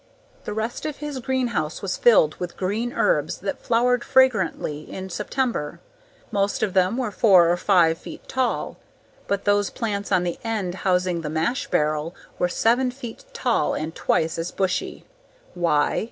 The rest of his greenhouse was filled with green herbs that flowered fragrantly in September. Most of them were four or five feet tall but those plants on the end housing the mash barrel were seven feet tall and twice as bushy. Why?